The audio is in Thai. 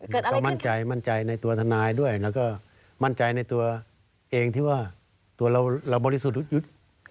แล้วก็มั่นใจมั่นใจในตัวทนายด้วยแล้วก็มั่นใจในตัวเองที่ว่าตัวเราบริสุทธิ์ยุทธ์